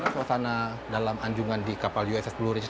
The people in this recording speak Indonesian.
suasana dalam anjungan di kapal uss blue risk